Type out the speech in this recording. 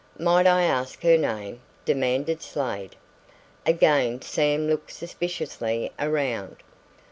"Might I ask her name?" demanded Slade. Again Sam looked suspiciously around.